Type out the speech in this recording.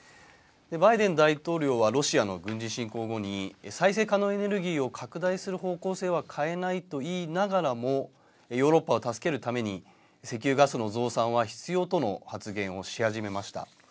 バイデン大統領はロシアの軍事侵攻後に再生可能エネルギーを拡大する方向性は変えないと言いながらもヨーロッパを助けるために石油・ガスの増産は必要との発言をし始めました。